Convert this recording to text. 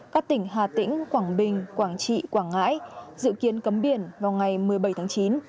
các tỉnh hà tĩnh quảng bình quảng trị quảng ngãi dự kiến cấm biển vào ngày một mươi bảy tháng chín